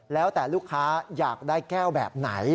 แล้วแต่ลูกค้าอยากได้แก้วแบบไหน